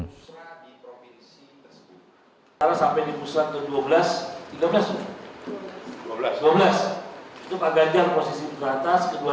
ketua dewan pengarah musra andi gani nenawea